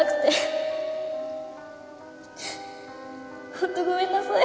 本当ごめんなさい。